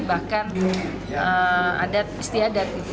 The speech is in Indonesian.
bahkan adat istiadat